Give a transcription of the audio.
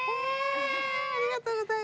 ありがとうございます。